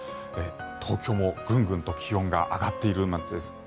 東京もグングンと気温が上がっている状況です。